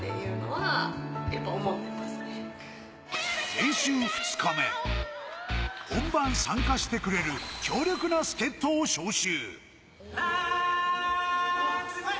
練習２日目、本番参加してくれる強力な助っ人を招集。